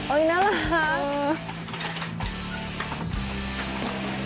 โอ๊ยน่ารัก